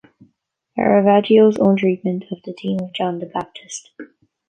Caravaggio's own treatment of the theme of "John the Baptist".